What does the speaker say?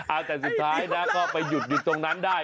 เอาแต่สุดท้ายนะก็ไปหยุดตรงนั้นได้